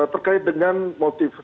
terkait dengan motif